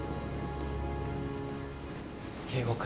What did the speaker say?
圭吾君。